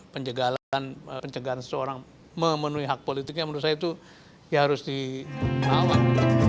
pencegahan seseorang memenuhi hak politiknya menurut saya itu harus diawal